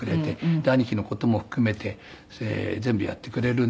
で兄貴の事も含めて全部やってくれるんでね。